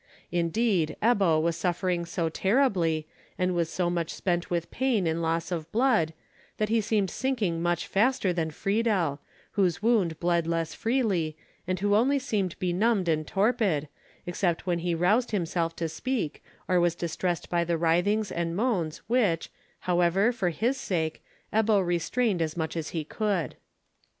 Indeed, Ebbo was suffering so terribly, and was so much spent with pain and loss of blood, that he seemed sinking much faster than Friedel, whose wound bled less freely, and who only seemed benumbed and torpid, except when he roused himself to speak, or was distressed by the writhings and moans which, however, for his sake, Ebbo restrained as much as he could.